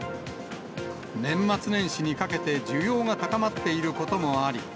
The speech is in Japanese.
年末年始にかけて需要が高まっていることもあり。